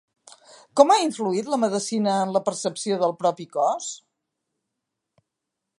Com ha influït la medicina en la percepció del propi cos?